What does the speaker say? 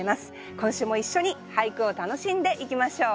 今週も一緒に俳句を楽しんでいきましょう。